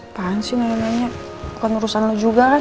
apaan sih nenek neneknya bukan urusan lo juga kan